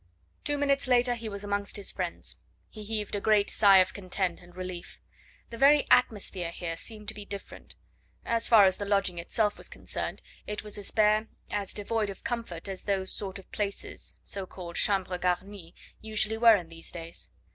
Two minutes later he was amongst his friends. He heaved a great sigh of content and relief. The very atmosphere here seemed to be different. As far as the lodging itself was concerned, it was as bare, as devoid of comfort as those sort of places so called chambres garnies usually were in these days.